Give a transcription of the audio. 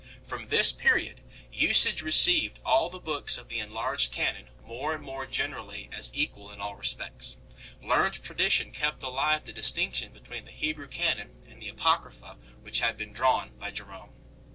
From this period " usage received all the books of the enlarged canon more and more generally as equal in all respects ; learned tradition kept alive the distinction between the Hebrew canon and the Apocrypha which had been drawn by Jerome 6